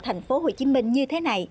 thành phố hồ chí minh như thế này